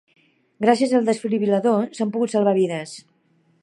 Gràcies al desfibril·lador s'han pogut salvar vides.